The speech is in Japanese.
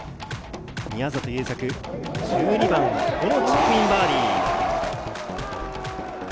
宮里優作、１２番、これをチップインバーディー。